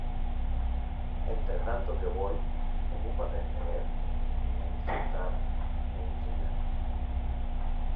Entre tanto que voy, ocúpate en leer, en exhortar, en enseñar.